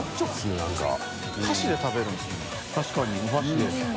箸で食べるんですね。